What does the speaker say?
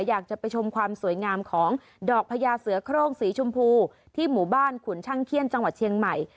อยากจะไปชมความสวยงามของดอกพญาเสือโครงสีชมพูที่หมู่บ้านขุนช่างเขี้ยนจังหวัดเชียงใหม่